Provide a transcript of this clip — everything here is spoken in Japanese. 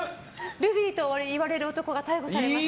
ルフィといわれる男が逮捕されました。